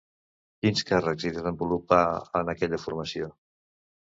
Quins càrrecs hi desenvolupà en aquella formació?